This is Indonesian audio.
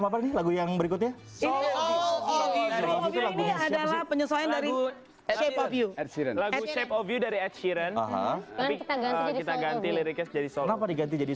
lagu lagu yang berikutnya adalah penyesuaian dari